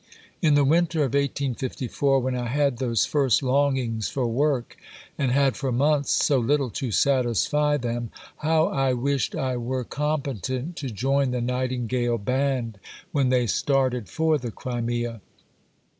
In the winter of 1854, when I had those first longings for work and had for months so little to satisfy them, how I wished I were competent to join the Nightingale band when they started for the Crimea!